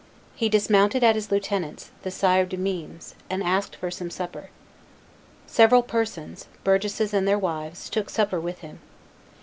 He dismounted at his lieutenant's, the Sire de Meinn's, and asked for some supper. Several persons, burgesses and their wives, took supper with him.